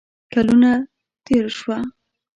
کلونه تیر شوه